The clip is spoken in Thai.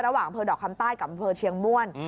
อำเภอดอกคำใต้กับอำเภอเชียงม่วน